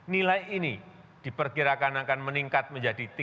nilai ini diperkirakan akan meningkat menjadi